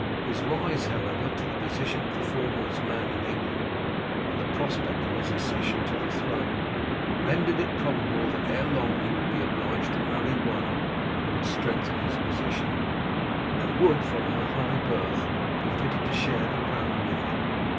His rise, however, to the position of the foremost man in England, and the prospect of his accession to the throne, rendered it probable that ere long he would be obliged to marry one who would strengthen his position, and would from her high birth be fitted to share the crown with him.